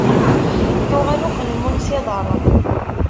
Yuɣal uqelmun s iḍaṛṛen.